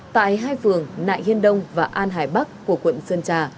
tại hai phường nại hiên đông và an hải bắc của quận sơn trà